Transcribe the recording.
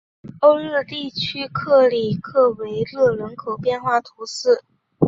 欧日地区克里克维勒人口变化图示